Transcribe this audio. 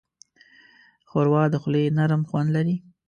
ښوروا د خولې نرم خوند لري.